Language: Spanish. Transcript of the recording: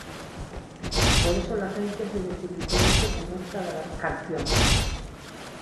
Por eso la gente se identificó mucho con esta canción".